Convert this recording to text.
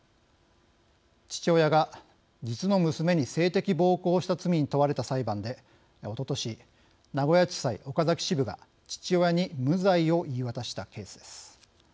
父親が実の娘に性的暴行をした罪に問われた裁判でおととし名古屋地裁岡崎支部が父親に無罪を言い渡したケースです。